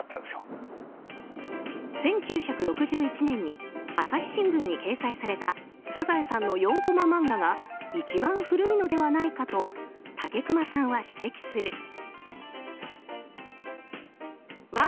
１９６１年に朝日新聞に掲載された「サザエさん」の４コマ漫画が一番古いのではないかと竹熊さんは指摘する。